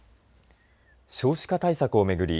少子化対策を巡り